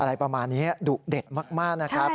อะไรประมาณนี้ดุเด็ดมากนะครับ